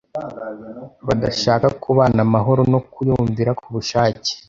badashaka kubana amahoro no kuyumvira ku bushake?